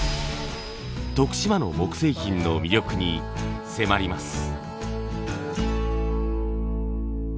徳島の木製品の魅力に迫ります。